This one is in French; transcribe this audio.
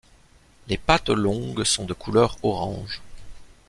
Les pattes longues sont de couleur orange.